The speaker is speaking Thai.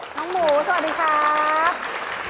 น้องหมูสวัสดีครับ